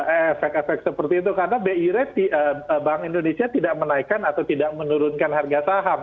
efek efek seperti itu karena bi rate bank indonesia tidak menaikkan atau tidak menurunkan harga saham